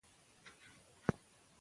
موږ په ګډه خپل تاریخي ویاړونه لمانځو.